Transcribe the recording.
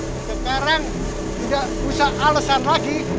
sekarang tidak usah alesan lagi